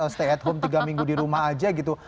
stay at home tiga minggu di rumah aja gitu